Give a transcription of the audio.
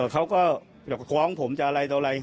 เขาก็กระกว้องผมจะอะไรจะอะไร